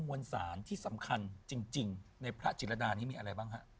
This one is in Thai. มวลสารที่สำคัญจริงในพระจิรดานี้มีอะไรบ้างฮะ